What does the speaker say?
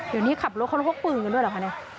เดี๋ยวนี้ขับรถเขาต้องพวกปืนกันด้วยหรือเปล่าคะนี่